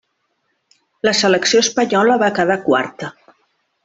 La selecció espanyola va quedar quarta.